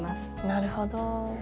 なるほど。